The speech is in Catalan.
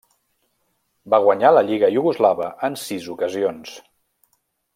Va guanyar la lliga iugoslava en sis ocasions.